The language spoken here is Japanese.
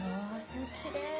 きれい。